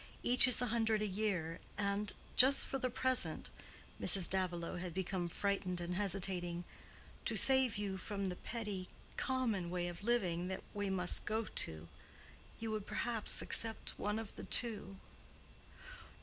Each is a hundred a year—and—just for the present,"—Mrs. Davilow had become frightened and hesitating,—"to save you from the petty, common way of living that we must go to—you would perhaps accept one of the two."